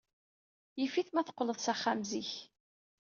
Yif-it ma teqqleḍ s axxam zik.